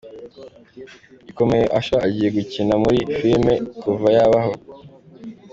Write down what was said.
ikomeye Usher agiye gukina muri filime kuva yabaho.